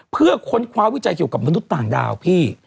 เพื่อค้นคว้าวิจัยเกี่ยวกับมนุษย์ต่างดาวพี่